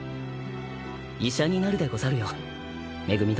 医者になるでござるよ恵殿。